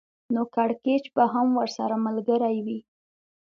نو کړکېچ به هم ورسره ملګری وي